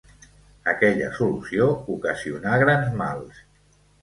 Aquella solució ocasionà grans mals.